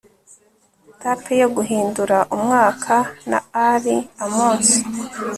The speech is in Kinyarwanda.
Tape yo Guhindura Umwaka na A R Ammons